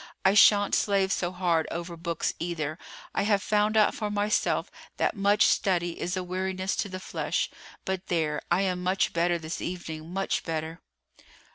I shan't slave so hard over books either. I have found out for myself that much study is a weariness to the flesh. But there, I am much better this evening, much better."